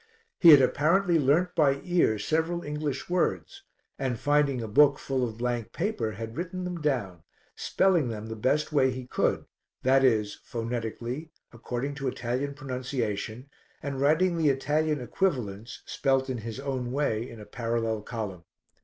He had apparently learnt by ear several English words and, finding a book full of blank paper, had written them down, spelling them the best way he could, that is phonetically, according to Italian pronunciation, and writing the Italian equivalents, spelt in his own way, in a parallel column.